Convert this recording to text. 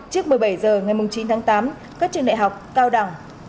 trước một mươi bảy h ngày chín tháng tám các trường đại học cao đẳng